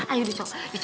ayo dicoba gelas sedikit